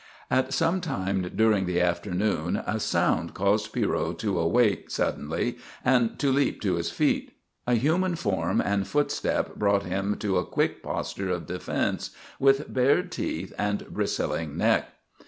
At some time during the afternoon a sound caused Pierrot to awake suddenly and to leap to his feet. A human form and footstep brought him to a quick posture of defence, with bared teeth and bristling neck.